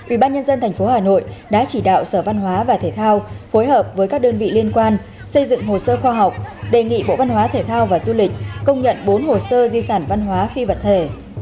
ubnd tp hà nội đã chỉ đạo sở văn hóa và thể thao phối hợp với các đơn vị liên quan xây dựng hồ sơ khoa học đề nghị bộ văn hóa thể thao và du lịch công nhận bốn hồ sơ di sản văn hóa phi vật thể